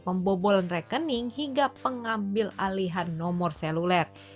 pembobolan rekening hingga pengambil alihan nomor seluler